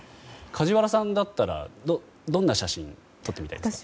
梶原さんだったらどんな写真を撮ってみたいですか。